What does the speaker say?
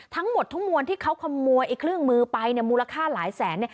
ทั้งหมดทั้งมวลที่เขาขโมยเครื่องมือไปมูลค่าหลายแสน